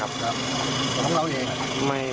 ครับของเราเอง